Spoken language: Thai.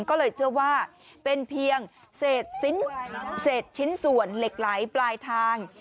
ก็เลยเชื่อว่าเป็นเพียงเศษชิ้นส่วนเหล็กไหลปลายทาง